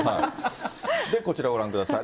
で、こちらご覧ください。